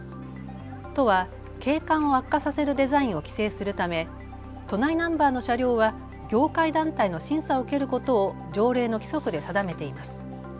都は景観を悪化させるデザインを規制するため都内ナンバーの車両は業界団体の審査を受けることを条例の規則で定めています。